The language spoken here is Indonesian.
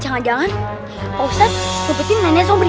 jangan jangan pak ustadz ngumpetin nenek sobri